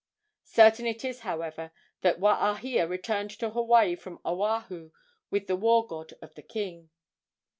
Certain it is, however, that Waahia returned to Hawaii from Oahu with the war god of the king.